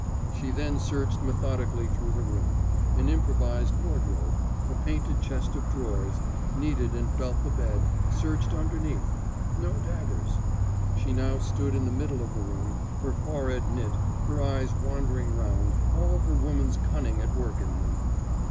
She then searched methodically through the room an improvised wardrobe a painted chest of drawers kneaded and felt the bed, searched underneath no daggers. She now stood in the middle of the room, her forehead knit, her eyes wandering round, all her woman's cunning at work in them.